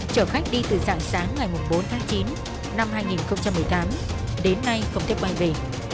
chở khách đi từ dạng sáng ngày bốn tháng chín năm hai nghìn một mươi tám đến nay không thể bay về